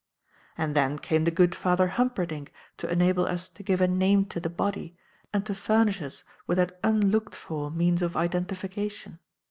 And then came the good Father Humperdinck to enable us to give a name to the body and to furnish us with that unlocked for means of identification.